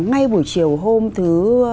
ngay buổi chiều hôm thứ năm